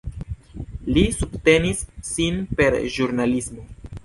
Li subtenis sin per ĵurnalismo.